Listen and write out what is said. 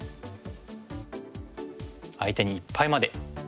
相手にいっぱいまでいく。